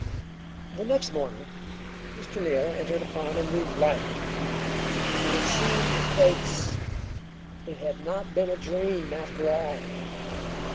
The next morning Mr. Neal entered upon a new life. He had seen the face; it had not been a dream after all.